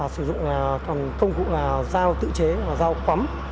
sử dụng công cụ là dao tự chế dao quấm